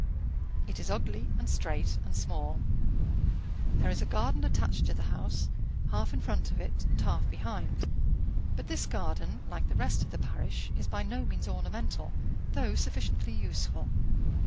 It is ugly, and straight, and small. There is a garden attached to the house, half in front of it and half behind; but this garden, like the rest of the parish, is by no means ornamental, though sufficiently useful.